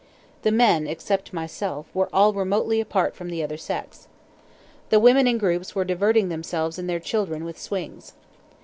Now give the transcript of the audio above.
The men (except myself) were all remotely apart from the other sex. The women in groups were diverting themselves and their children with swings.